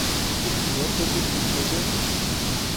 Et qui donc occupe l’autre côté?